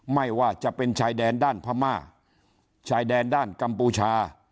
ไม่ว่าจะเป็นชายแดนด้านพม่าชายแดนด้านกัมพูชา